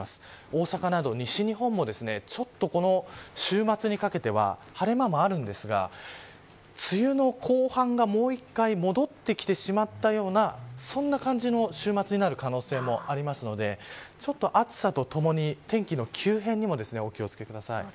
大阪など西日本も週末にかけては晴れ間もあるんですが梅雨の後半が、もう１回戻ってきてしまったようなそんな感じの週末になる可能性もありますのでちょっと暑さとともに天気の急変にもお気を付けください。